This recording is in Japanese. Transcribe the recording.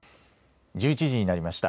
１１時になりました。